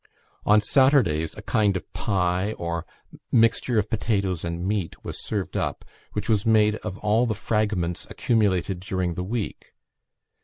On Saturdays, a kind of pie, or mixture of potatoes and meat, was served up, which was made of all the fragments accumulated during the week.